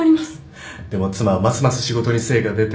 でも妻はますます仕事に精が出て。